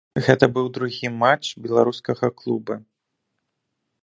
Гэта быў другі матч беларускага клуба.